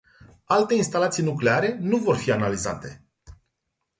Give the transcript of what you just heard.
Alte instalații nucleare nu vor fi analizate.